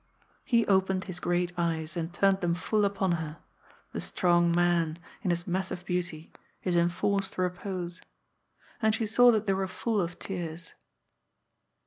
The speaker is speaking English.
He opened his great eyes and turned them full upon her — the strong man, in his massive beauty, his enforced repose — and she saw that they were full of tears.